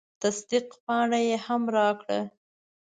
تصدیق پاڼه یې هم راکړه.